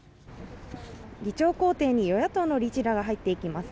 議長公邸に与野党の理事らが入っていきます。